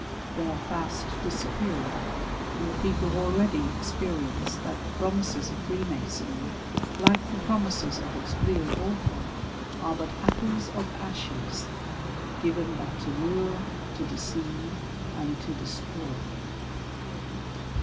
They are fast disappear ing, and the people already experience that the promises of Freemasonry, like the promises of its real author, are but apples of ashes, given but to lure, to deceive, and to destroy.